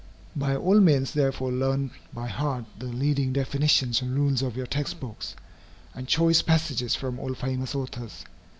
By all means, therefore, learn by heart the leading definitions and rules of your text books, and choice passages from all famous authors.